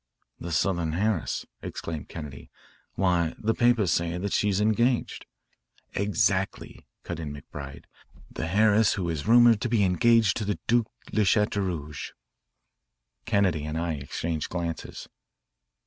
"The Southern heiress," exclaimed Kennedy. "Why, the papers say that she is engaged " "Exactly," cut in McBride, "the heiress who is rumoured to be engaged to the Duc de Chateaurouge. Kennedy and I exchanged, glances.